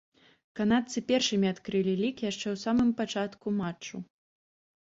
Канадцы першымі адкрылі лік яшчэ ў самы пачатку матчу.